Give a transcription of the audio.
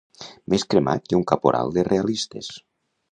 Més cremat que un caporal de realistes.